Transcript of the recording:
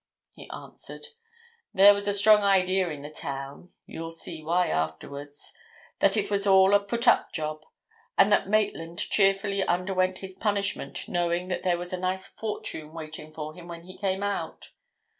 he answered. "There was a strong idea in the town—you'll see why afterwards—that it was all a put up job, and that Maitland cheerfully underwent his punishment knowing that there was a nice fortune waiting for him when he came out.